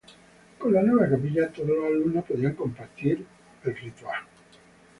Con la nueva capilla, todos los alumnos podían compartir la misa.